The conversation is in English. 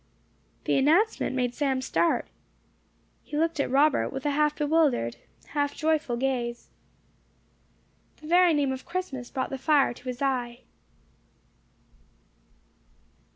The announcement made Sam start. He looked at Robert with a half bewildered, half joyful gaze. The very name of Christmas brought the fire to his eye.